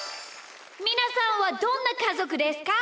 みなさんはどんなかぞくですか？